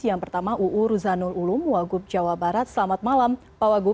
yang pertama uu ruzanul ulum wagub jawa barat selamat malam pak wagub